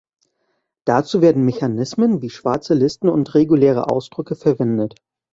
Dazu werden Mechanismen wie schwarze Listen und Reguläre Ausdrücke verwendet.